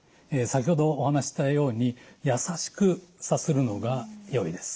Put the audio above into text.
先ほどお話ししたようにやさしくさするのがよいです。